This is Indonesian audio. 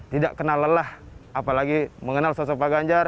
tidak kenal lelah apalagi mengenal sosok pak ganjar